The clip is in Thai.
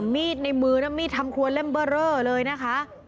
มีดในมือนั้นมีดทำครัวเล่มเบอร์เรอเลยนะคะ